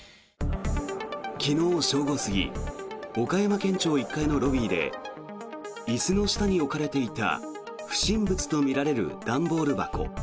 昨日正午過ぎ岡山県庁１階のロビーで椅子の下に置かれていた不審物とみられる段ボール箱。